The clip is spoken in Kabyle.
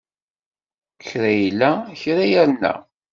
Kra illa, kra irna.